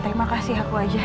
terima kasih aku aja